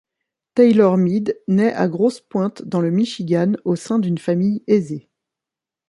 Taylor Mead naît à Grosse Pointe dans le Michigan au sein d'une famille aisée.